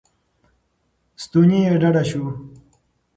ستونی یې ډډ شو.